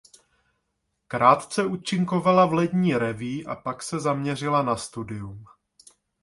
Krátce účinkovala v lední revue a pak se zaměřila na studium.